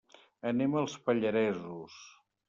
Anem als Pallaresos.